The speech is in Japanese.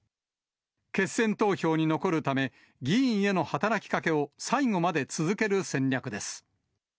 決選投票に残るため、議員への働きかけを最後まで続ける戦略です。